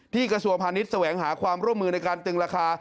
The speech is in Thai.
กระทรวงพาณิชย์แสวงหาความร่วมมือในการตึงราคา